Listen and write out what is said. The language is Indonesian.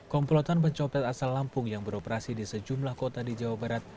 komplotan pencopet asal lampung yang beroperasi di sejumlah kota di jawa barat